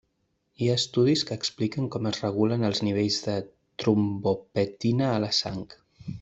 Hi ha estudis que expliquen com es regulen els nivells de trombopoetina a la sang.